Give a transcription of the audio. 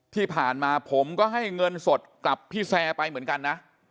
ที่ผ่านมาผมก็ให้เงินสดกลับพี่แซร์ไปเหมือนกันนะ